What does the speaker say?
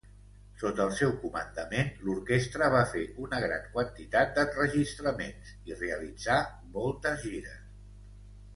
Sota el seu comandament l'orquestra va fer una gran quantitat d'enregistraments i realitzà moltes gires.